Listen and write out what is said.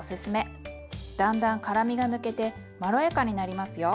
だんだん辛みが抜けてまろやかになりますよ。